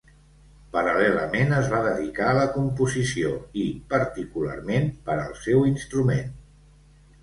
Paral·lelament, es va dedicar a la composició, i particularment per al seu instrument.